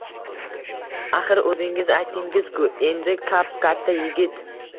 Axir oʻzingiz aytdingiz-kuu endi kap-katta yigit